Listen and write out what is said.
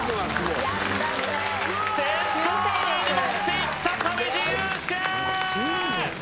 センター前に持っていった上地雄輔！